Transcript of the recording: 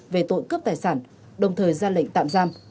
về tội cướp tài sản đồng thời ra lệnh tạm giam